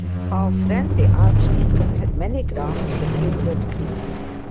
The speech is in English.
Our friend the archdeacon had many grounds for inward grief.